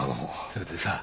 それでさ